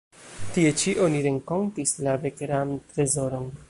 Tie ĉi oni renkontis la Begram-Trezoron.